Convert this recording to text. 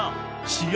試合